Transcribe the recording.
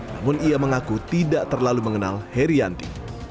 namun ia mengaku tidak terlalu mengenal herianti